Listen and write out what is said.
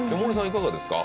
いかがですか？